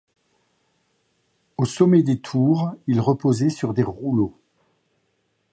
Au sommet des tours, ils reposaient sur des rouleaux.